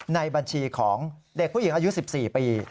ในบัญชีของเด็กผู้หญิงอายุ๑๔ปี